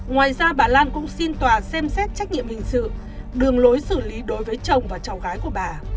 ngoài ra bà lan cũng xin tòa xem xét trách nhiệm hình sự đường lối xử lý đối với chồng và cháu gái của bà